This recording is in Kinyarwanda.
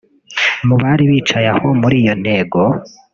Mu bari bicaye aho muri iyo ntego